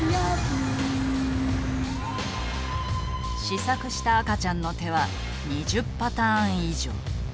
試作した赤ちゃんの手は２０パターン以上。